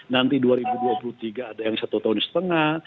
nanti dua ribu dua puluh tiga ada yang satu tahun setengah